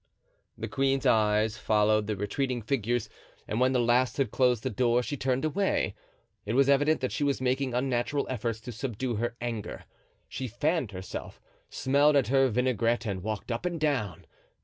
The queen's eyes followed the retreating figures and when the last had closed the door she turned away. It was evident that she was making unnatural efforts to subdue her anger; she fanned herself, smelled at her vinaigrette and walked up and down.